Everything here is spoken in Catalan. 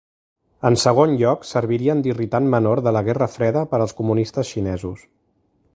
En segon lloc, servirien d'irritant menor de la guerra freda per als comunistes xinesos.